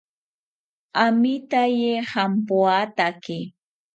Amitaye jampoatake